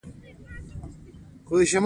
روهیله پښتنو مرستې غوښتنه وکړه.